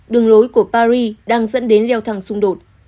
đường lối của paris đang dẫn đến leo thang xung đột